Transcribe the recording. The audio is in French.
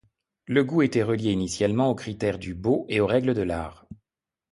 Le goût était relié initialement aux critères du beau et aux règles de l'art.